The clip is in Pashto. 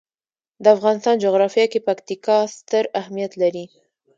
د افغانستان جغرافیه کې پکتیکا ستر اهمیت لري.